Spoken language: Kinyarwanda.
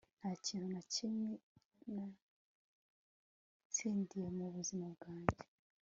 Nta kintu na kimwe natsindiye mu buzima bwanjye